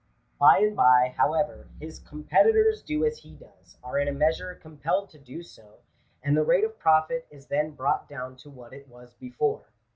By and by, however, his competitors do* as he does — are in a measure compelled to do so — dad the rate of profit is then brought down to what it was before.